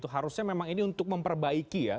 harusnya memang ini untuk memperbaiki ya